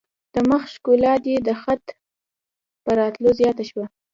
د مخ ښکلا دي د خط په راتلو زیاته شوه.